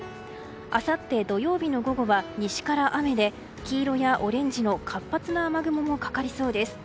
あさって土曜日の午後は西から雨で黄色やオレンジの活発な雨雲もかかりそうです。